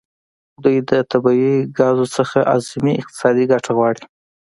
دوی د طبیعي ګازو څخه اعظمي اقتصادي ګټه غواړي